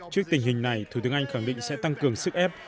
trước tình hình này thủ tướng anh khẳng định sẽ tăng cường sức ép